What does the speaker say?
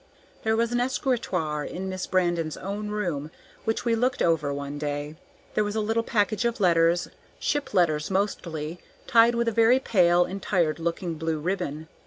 There was an escritoire in Miss Brandon's own room, which we looked over one day. There was a little package of letters; ship letters mostly, tied with a very pale and tired looking blue ribbon.